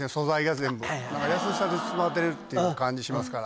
優しさで包まれてるっていう感じしますから。